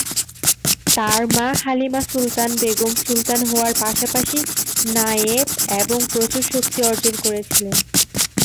তাঁর মা হালিমা সুলতান বেগম সুলতান হওয়ার পাশাপাশি নায়েব এবং প্রচুর শক্তি অর্জন করেছিলেন।